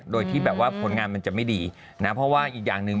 โดยที่แบบว่าผลงานมันจะไม่ดีนะเพราะว่าอีกอย่างหนึ่ง